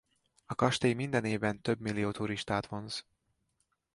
A kastély minden évben több millió turistát vonz.